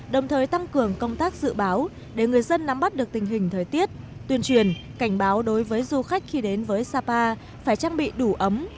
đồng thời tăng cường công tác dự báo để người dân nắm bắt được tình hình thời tiết tuyên truyền cảnh báo đối với du khách khi đến với sapa phải trang bị đủ ấm